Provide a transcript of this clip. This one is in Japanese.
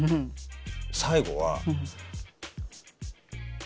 最後は。